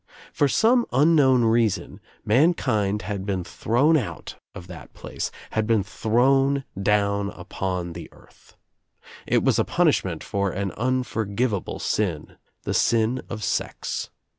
For some un known reason mankind had been thrown out of that place, had been thrown down upon the earth. It was | a punishment for an unforgivable sin, the sin of sex.